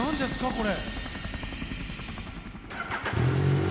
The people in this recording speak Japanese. これ。